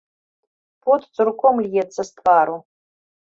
Пот цурком льецца з твару.